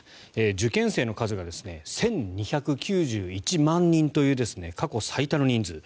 受験生の数が１２９１万人という過去最多の人数。